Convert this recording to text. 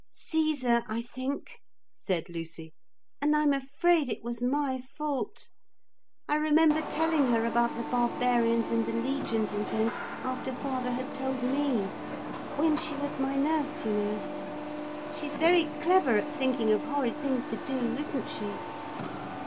'Caesar, I think,' said Lucy. 'And I'm afraid it was my fault. I remember telling her about the barbarians and the legions and things after father had told me when she was my nurse, you know. She's very clever at thinking of horrid things to do, isn't she?'